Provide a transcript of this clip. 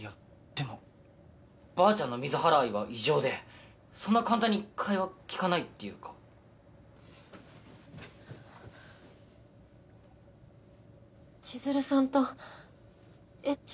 でもばあちゃんの水原愛は異常でそんな簡単に替えは利かないっていうか千鶴さんとエッチはできますか？